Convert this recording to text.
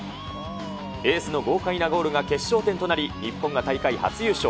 エースの豪快なゴールが決勝点となり、日本が大会初優勝。